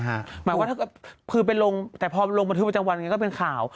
หมายความว่าคือเป็นลงแต่พอลงบัตรธิบทางวันก็เป็นข่าว